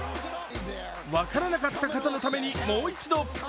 分からなかった方のためにもう一度。